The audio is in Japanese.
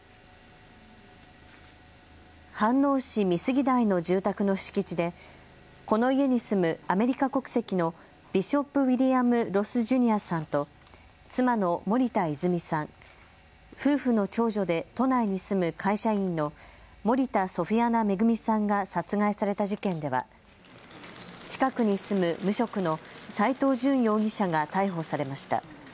飯能市美杉台の住宅の敷地でこの家に住むアメリカ国籍のビショップ・ウィリアム・ロス・ジュニアさんと妻の森田泉さん、夫婦の長女で都内に住む会社員の森田ソフィアナ恵さんが殺害された事件では近くに住む無職の斎藤淳容疑者が逮捕されました。